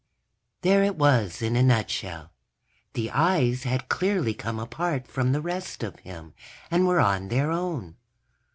_ There it was in a nutshell. The eyes had clearly come apart from the rest of him and were on their own.